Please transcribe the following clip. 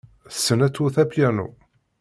Tessen ad twet apyanu.